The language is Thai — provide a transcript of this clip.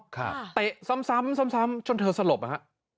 ครับเตะซ้ำซ้ำซ้ำซ้ำจนเธอสลบน่ะ